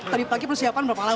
tadi pagi persiapan berapa lama